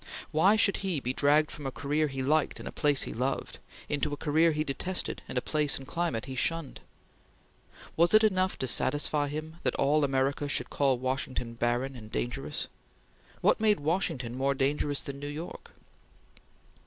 Why should he be dragged from a career he liked in a place he loved, into a career he detested, in a place and climate he shunned? Was it enough to satisfy him, that all America should call Washington barren and dangerous? What made Washington more dangerous than New York?